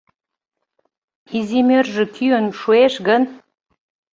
Изимӧржӧ кӱын шуэш гын